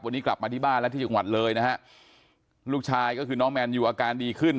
วันนี้กลับมาที่บ้านแล้วที่จังหวัดเลยนะฮะลูกชายก็คือน้องแมนยูอาการดีขึ้น